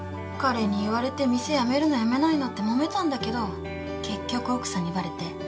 彼に言われて店辞めるの辞めないのってもめたんだけど結局奥さんにバレて。